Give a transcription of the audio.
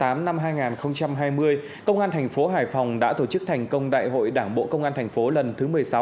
trong hai ngày năm và ngày sáu tháng tám năm hai nghìn hai mươi công an thành phố hải phòng đã tổ chức thành công đại hội đảng bộ công an thành phố lần thứ một mươi sáu